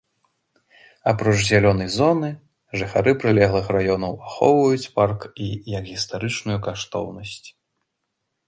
Апроч зялёнай зоны, жыхары прылеглых раёнаў ахоўваюць парк і як гістарычную каштоўнасць.